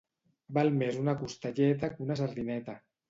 Val més una costelleta que una sardineta.